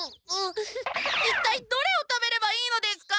一体どれを食べればいいのですか！？